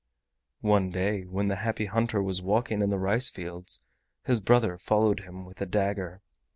One day when the Happy Hunter was walking in the rice fields his brother followed him with a dagger.